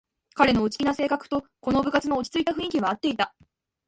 彼の内気な性格とこの部活の落ちついた雰囲気はあっていた